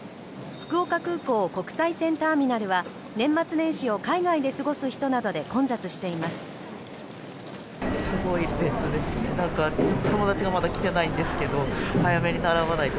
福岡空港国際線ターミナルは年末年始を海外で過ごす人などで混雑しています。